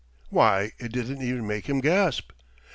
"Why, it didn't even make him gasp!"